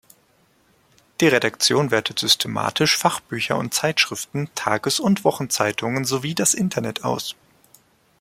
Die Redaktion wertet systematisch Fachbücher und -zeitschriften, Tages- und Wochenzeitungen sowie das Internet aus.